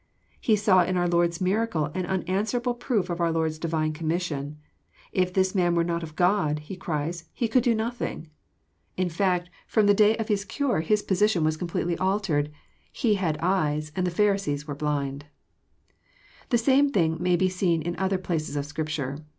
He saw in our Lord's miracle an unanswerable proof of our Lord's divine commission. " If this Man were not of God," he cries, " He could do nothing." In fact, from the t 160 EXPOSirOKY THOUGHTS. day of his cure bis position was completely altered. He had eyes, and the Pharisees were blind. The same thing may be seen in other places of Scripture.